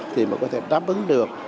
thì mà có thể đáp ứng được